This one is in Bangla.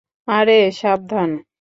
আরে, সাবধান!